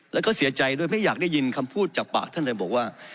แล้วก็เสียใจด้วยไม่อยากได้ยินคำพูดจากปากท่านเลยบอกว่า